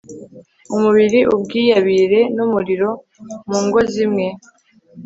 umubiri ubwiyabire numuriro Mu ngo zimwe